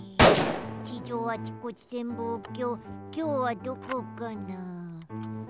地上あちこち潜望鏡きょうはどこかな？